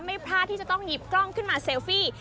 ไม่พลาดที่จะต้องหยิบกล้องขึ้นมาเซลฟี่